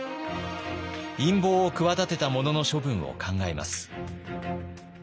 陰謀を企てた者の処分を考えます。